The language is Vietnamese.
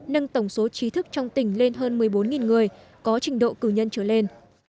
nâng tổng số trí thức trong tỉnh lên hơn một mươi bốn người có trình độ cử nhân trở lên